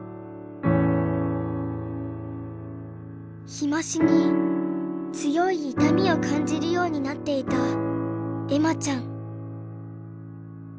日増しに強い痛みを感じるようになっていた恵麻ちゃん。